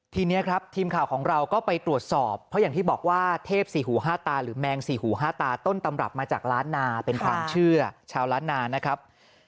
ทีนี้ครับทีมข่าวของเราก็ไปตรวจสอบเพราะอย่างที่บอกว่าเทพสี่หูห้าตาหรือแมงสี่หูห้าตาต้นตำรับมาจากล้านนาเป็นความเชื่อชาวล้านนานะครับ